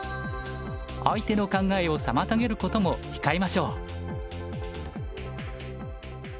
相手の考えを妨げることも控えましょう。